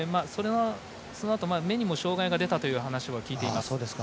そのあと目にも障がいが出たという話を聞いています。